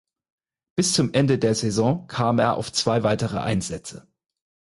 Bis zum Ende der Saison kam er auf zwei weitere Einsätze.